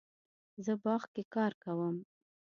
زه باغ کې کار کوم